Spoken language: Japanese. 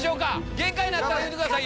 限界になったら言うてください。